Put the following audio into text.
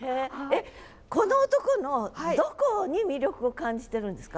っこの男のどこに魅力を感じてるんですか？